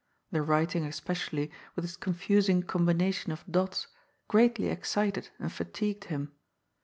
The writing, especially, with its confusing com bination of dots, greatly excited and fatigued him.